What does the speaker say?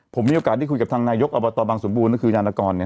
ผมมีโอกาสที่คุยกับทางนายยกอบัตรบางสมบูรณ์นี่คือยานกรเนี่ย